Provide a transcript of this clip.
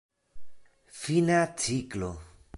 Fina ciklo.